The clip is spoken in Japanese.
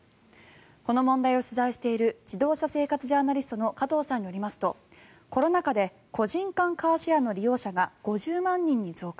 この問題を取材している自動車生活ジャーナリストの加藤さんによりますとコロナ禍で個人間カーシェアの利用者が５０万人に増加。